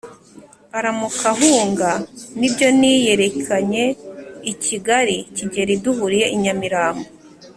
aramuka ahunga nibyo niyerekanye i Kigali Kigeli duhuriye i Nyamirambo